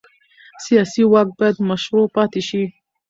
سیاسي واک باید مشروع پاتې شي